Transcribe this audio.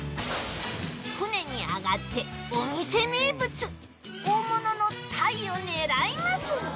船に上がってお店名物大物の鯛を狙います